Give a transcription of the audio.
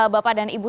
bapak dan ibu